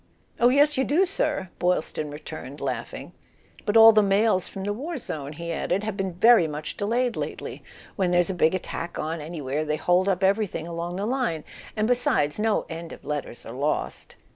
"Oh, yes, you do, sir !" Boylston returned, laughing; "but all the mails from the war zone," he added, "have been very much delayed lately. When there's a big attack on anywhere they hold up everything along the line. And besides, no end of letters are lost."